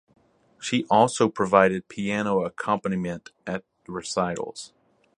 She also provided piano accompaniment at recitals.